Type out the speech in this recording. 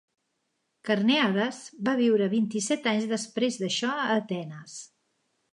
Carnèades va viure vint-i-set anys després d'això a Atenes.